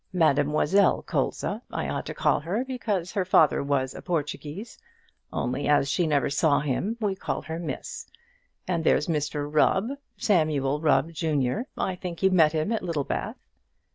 Mademoiselle Colza I ought to call her, because her father was a Portuguese. Only as she never saw him, we call her Miss. And there's Mr Rubb, Samuel Rubb, junior. I think you met him at Littlebath."